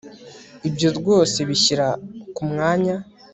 ibyo rwose binshyira kumwanya